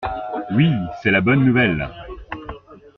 Oui, c'est la bonne nouvelle.